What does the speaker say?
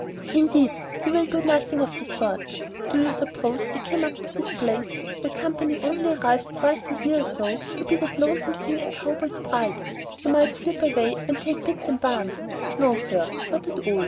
"Indeed you will do nothing of the sort. Do you suppose I came up to this place, where company only arrives twice a year or so, to be that lonesome thing a cowboy's bride, that you might slip away and take bites in barns? No sir not at all.